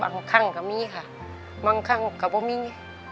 บางครั้งก็มีค่ะบางครั้งก็ไม่มี